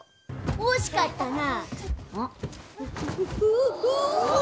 惜しかったな。